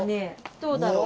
どうだろう？